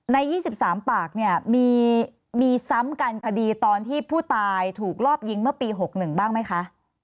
ใน๒๓ปากเนี่ยมีซ้ำกันคดีตอนที่ผู้ตายถูกรอบยิงเมื่อปี๖๑บ้างไหมคะ